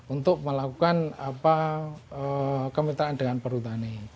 untuk melakukan kemitraan dengan perhutani